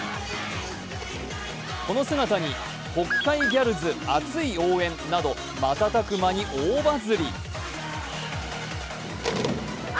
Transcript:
この姿に「北海ギャルズ熱い応援」など瞬く間に大バズり。